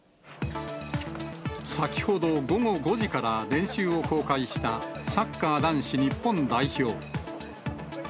先ほど午後５時から練習を公開したサッカー男子日本代表。